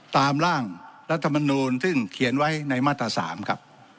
ตามร่างรัฐมนูลซึ่งเขียนไว้ในมาตรา๓ครับ